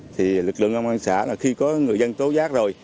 thì lực lượng công an xã là khi có người dân tố giác rồi